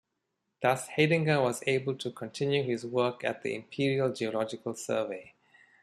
Thus Haidinger was able to continue his work at the Imperial Geological Survey.